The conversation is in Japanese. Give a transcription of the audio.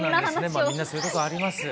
まあみんなそういうことあります。